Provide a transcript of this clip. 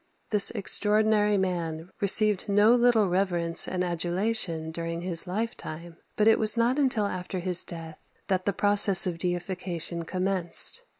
This extraordinary man received no little reverence and adulation during his lifetime; but it was not until after his death that the process of deification commenced.